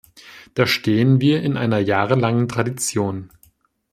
Da stehen wir in einer jahrelangen Tradition.